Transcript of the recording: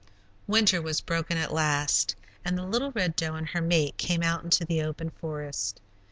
Winter was broken at last, and the little Red Doe and her mate came out into the open forest.